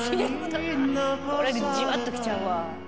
これじわっときちゃうわ。